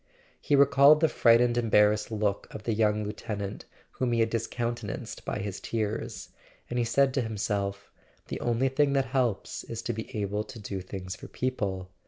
He recalled the frightened embarrassed look of the young lieutenant whom he had discountenanced by his tears; and he said to him¬ self: "The only thing that helps is to be able to do things for people.